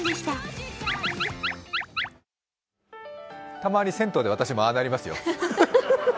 たまに銭湯で私もああなりますよ。